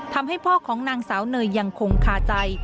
ทำให้พ่อของนางสาวเนยยังคงคาใจ